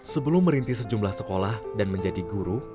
sebelum merintis sejumlah sekolah dan menjadi guru